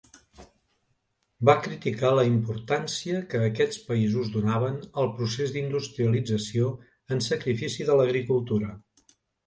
Va criticar la importància que aquests països donaven al procés d'industrialització en sacrifici de l'agricultura.